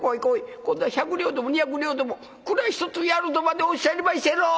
今度は百両でも２百両でも蔵１つやる』とまでおっしゃりましたやろ！」。